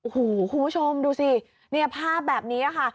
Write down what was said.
คุณผู้ชมดูสิภาพแบบนี้ค่ะ